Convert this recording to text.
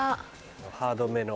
ハードめの。